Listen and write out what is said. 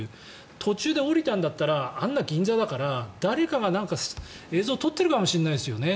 途中で降りたんだったらあんな銀座だから誰かが映像を撮っているかもしれないですよね。